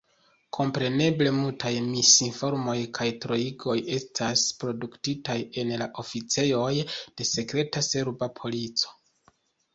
Kompreneble, multaj misinformoj kaj troigoj estas produktitaj en la oficejoj de sekreta serba polico.